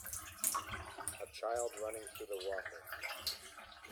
A child running through the water